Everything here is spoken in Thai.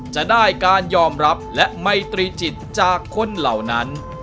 จะได้การยอมรับและไมตรีจิตจากคนเหล่านั้น